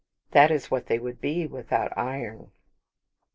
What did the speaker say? That is what they would be, without iron.